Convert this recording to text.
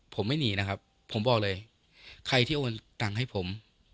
ผมไม่หนีนะครับผมบอกเลยใครที่โอนตังค์ให้ผม